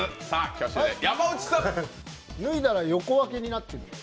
脱いだら横分けになっている。